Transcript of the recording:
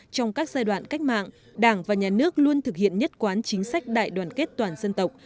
trong các giai đoạn cách mạng đảng và nhà nước luôn thực hiện nhất quán chính sách đại đoàn kết toàn dân tộc